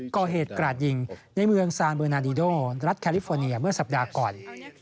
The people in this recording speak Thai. กราดยิงในเมืองซานเบอร์นาดีโดรัฐแคลิฟอร์เนียเมื่อสัปดาห์ก่อน